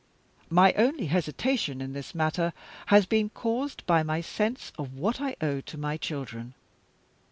My only hesitation in this matter has been caused by my sense of what I owe to my children.